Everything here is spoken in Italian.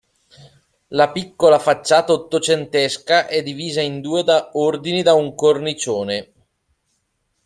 La piccola facciata ottocentesca è divisa in due ordini da un cornicione.